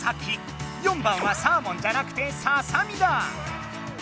４番はサーモンじゃなくてささみだ！